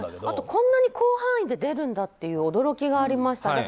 あと、こんなに広範囲で出るんだって驚きがありました。